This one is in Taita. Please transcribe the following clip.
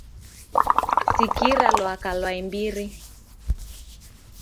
Sikira lwaka lwa imbiri